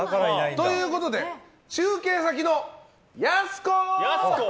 ということで、中継先のやす子！